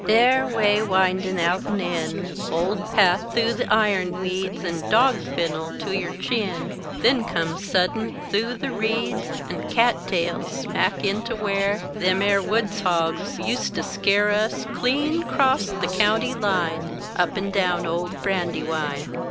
Er, 'way windin' out and in, Old path th'ough the iurnweeds And dog fennel to yer chin Then come suddent, th'ough the reeds And cat tails, smack into where Them air woods hogs ust to scare Us clean 'crosst the County line, Up and down old Brandywine!